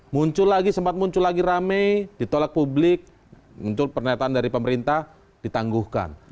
muncul lagi sempat muncul lagi rame ditolak publik muncul pernyataan dari pemerintah ditangguhkan